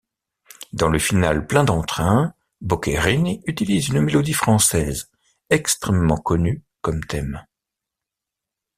Dans le finale plein d'entrain, Boccherini utilise une mélodie française, extrêmement connue comme thème.